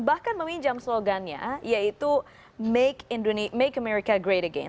bahkan meminjam slogannya yaitu make america great again